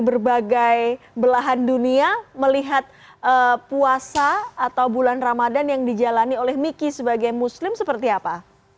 berbagai belahan dunia melihat puasa atau bulan ramadan yang dijalani oleh miki sebagai muslim seperti apa